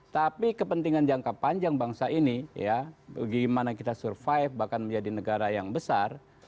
tapi kepentingan jangka panjang bangsa ini ya bagaimana kita survive bahkan menjadi negara yang besar